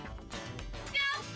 ada di belakang